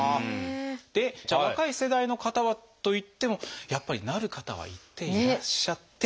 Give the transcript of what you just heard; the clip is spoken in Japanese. じゃあ若い世代の方はといってもやっぱりなる方は一定いらっしゃって。